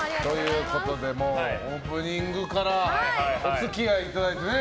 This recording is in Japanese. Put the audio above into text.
オープニングからお付き合いいただいてね